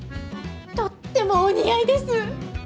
とってもお似合いです！